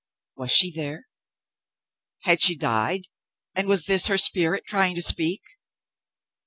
Was she there ? Had she died, and was this her spirit trying to speak